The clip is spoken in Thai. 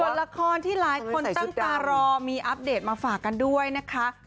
ส่วนละครที่หลายคนตั้งตารอมีอัปเดตมาฝากกันด้วยนะคะ